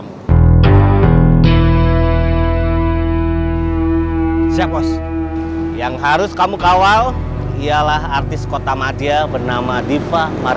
udah gak usah ngomongin dia